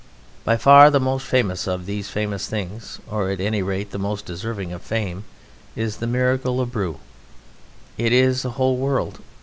By far the most famous of these famous things, or at any rate the most deserving of fame, is the miracle of Brou. It is a whole world.